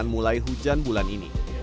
dan akan mulai hujan bulan ini